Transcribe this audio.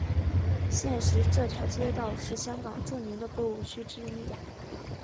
现时这条街道是香港著名的购物区之一。